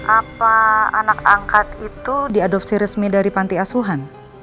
apa anak angkat itu diadopsi resmi dari panti asuhan